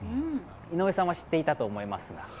井上さんは知っていたと思いますが。